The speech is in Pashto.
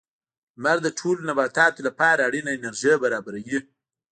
• لمر د ټولو نباتاتو لپاره اړینه انرژي برابروي.